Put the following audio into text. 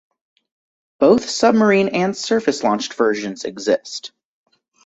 Both submarine- and surface-launched versions exist.